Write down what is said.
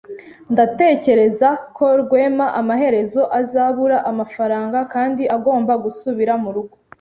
Ndatekereza ko Rwema amaherezo azabura amafaranga kandi agomba gusubira murugo.